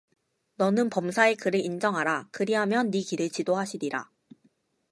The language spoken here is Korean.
너는 범사에 그를 인정하라! 그리하면 네 길을 지도하시리라